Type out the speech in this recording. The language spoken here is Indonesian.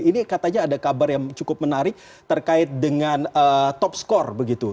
ini katanya ada kabar yang cukup menarik terkait dengan top skor begitu